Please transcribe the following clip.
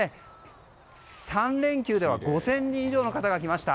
３連休では５０００人以上の方が来ました。